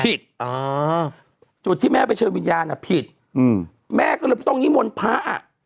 อ่าจุดที่แม่ไปเชิญวิญญาณอ่ะผิดอืมแม่ก็เลยต้องนิมนต์พระอ่ะ